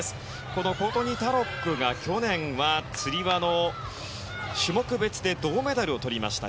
このコートニー・タロックが去年はつり輪の種目別で銅メダルをとりました。